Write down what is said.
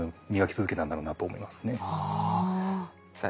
ああ。